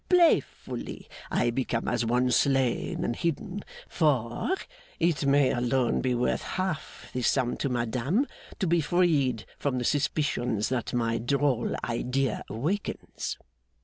Playfully, I become as one slain and hidden. For, it may alone be worth half the sum to madame, to be freed from the suspicions that my droll idea awakens.